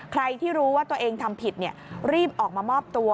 ใครที่รู้ว่าตัวเองทำผิดรีบออกมามอบตัว